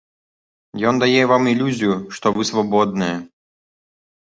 Ён дае вам ілюзію, што вы свабодныя.